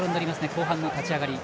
後半の立ち上がり。